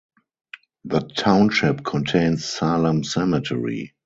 The township contains Salem Cemetery.